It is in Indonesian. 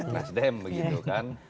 nasdem begitu kan